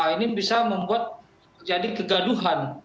ini bisa membuat jadi kegaduhan